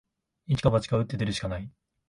一か八か、打って出るしかない